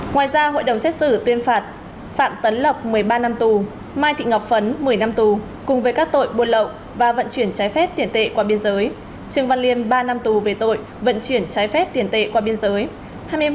ngoài ra hội đồng xét xử tuyên phạt phạm tấn lộc một mươi ba năm tù mai thị ngọc phấn một mươi năm tù cùng với các tội buôn lậu và vận chuyển trái phép tiền tệ qua biên giới trường văn liên ba năm tù về tội vận chuyển trái phép tiền tệ qua biên giới